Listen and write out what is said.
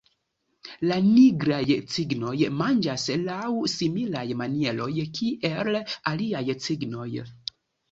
La Nigraj cignoj manĝas laŭ similaj manieroj kiel aliaj cignoj.